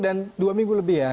dan dua minggu lebih ya